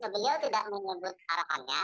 beliau tidak menyebut arahannya